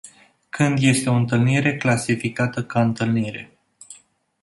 Când este o întâlnire clasificată ca întâlnire?